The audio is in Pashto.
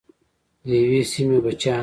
د یوې سیمې بچیان.